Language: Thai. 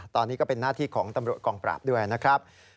ตอนนี้ก็เป็นหน้าที่ของตำรวจกองปราบด้วยนะครับ